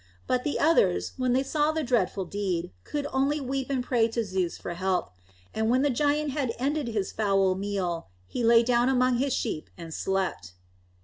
But the others, when they saw the dreadful deed, could only weep and pray to Zeus for help. And when the giant had ended his foul meal, he lay down among his sheep and slept.